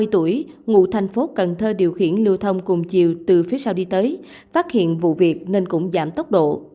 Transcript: ba mươi tuổi ngụ tp hcm điều khiển lưu thông cùng chiều từ phía sau đi tới phát hiện vụ việc nên cũng giảm tốc độ